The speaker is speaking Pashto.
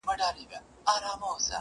زه اوسېږمه زما هلته آشیانې دي.!